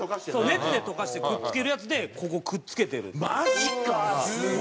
熱で溶かしてくっつけるやつでここくっつけてるんですよ。